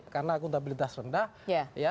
karena akuntabilitas rendah ya